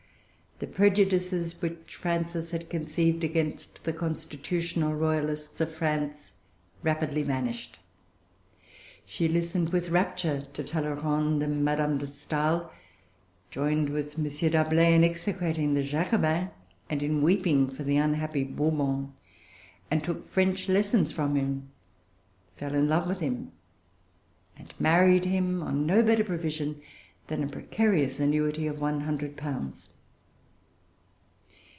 The prejudices which Frances had conceived against the constitutional royalists of France rapidly vanished. She listened with rapture to Talleyrand and Madame de Staël, joined with M. D'Arblay in execrating the Jacobins and in weeping for the unhappy Bourbons, took French lessons from him, fell in love with him, and married him on no better provision than a precarious annuity of one hundred pounds.